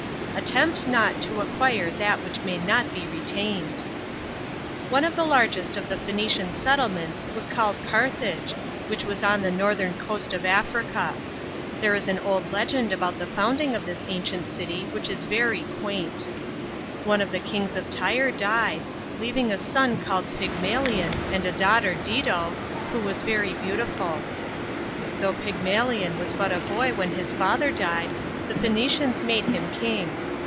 " Attempt not to acquire that which may not be retained." ONE of the largest of the Phoenician settlements was called Carthage, which was on the northern coast of Afrita. There is an old* legend about the founding of 'this ancient city which is very quaint. B.O. 850.] STORY OF DIDO. 49 One of the kings of Tyre died, leaving a son called Pygmalion and a daughter Dido, who was very beautiful. Though Pygmalion was but a boy when his father died, the Phoenicians made him king.